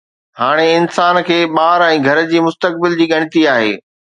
هاڻي انسان کي ٻار ۽ گهر جي مستقبل جي ڳڻتي آهي.